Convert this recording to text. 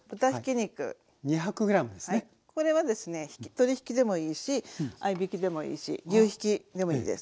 これはですね鶏ひきでもいいし合いびきでもいいし牛ひきでもいいです。